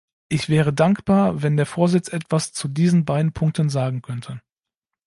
Ich wäre dankbar, wenn der Vorsitz etwas zu diesen beiden Punkten sagen könnte.